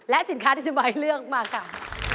และสินค้าที่จะมาให้เลือกมาค่ะ